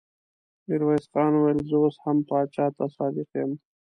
ميرويس خان وويل: زه اوس هم پاچا ته صادق يم.